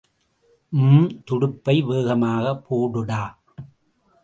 ம்... துடுப்பை வேகமாகப் போடுடா!